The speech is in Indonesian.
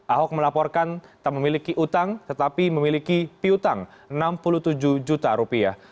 ahok melaporkan tak memiliki utang tetapi memiliki piutang enam puluh tujuh juta rupiah